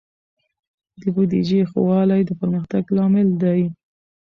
د بودیجې ښه والی د پرمختګ لامل دی.